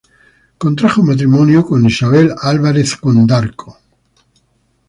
Contrajo matrimonio con Isabel Álvarez Condarco.